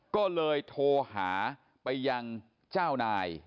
ก็เลยโทรหาไปยังเจ้านาย